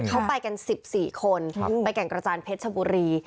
เขาไปกัน๑๔คนไปแก่งกระจานเพชรชบุรี